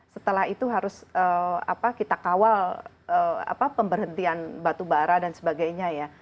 setelah itu harus apa kita kawal pemberhentian batubara dan sebagainya ya